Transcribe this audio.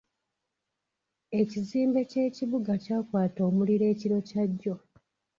Ekizimbe ky'ekibuga kyakwata omuliro ekiro kya jjo..